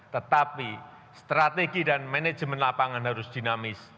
tetapi strategi dan manajemen lapangan harus dinamis